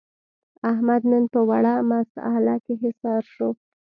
احمد نن په وړه مسعله کې حصار شو.